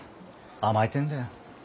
甘えてんだよ。